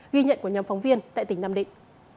ghi nhận của nhóm phóng viên tại tỉnh nam định